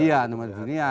iya tempatan dunia